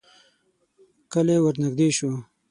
کلی ورنږدې شو.